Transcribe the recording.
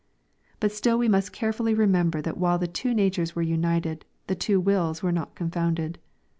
But still we must carefully remember that while the two natures were united, the two wills were not confounded.